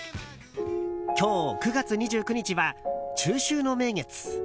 今日９月２９日は中秋の名月。